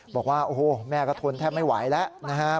บอกว่าโอ้โหแม่ก็ทนแทบไม่ไหวแล้วนะครับ